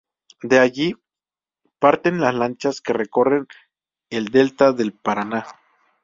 Desde allí parten las lanchas que recorren el delta del Paraná.